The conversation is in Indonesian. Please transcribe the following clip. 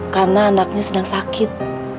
karena anaknya sedang sakit